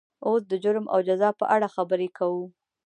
اوس د جرم او جزا په اړه خبرې کوو.